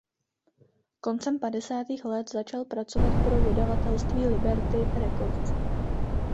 Koncem padesátých let začal pracovat pro vydavatelství Liberty Records.